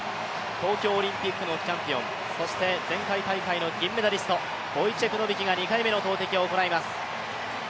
東京オリンピックのチャンピオン、そして前回大会の銀メダリスト、ボイチェク・ノビキが２回目の投てきを行います。